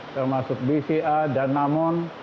termasuk bca dan namon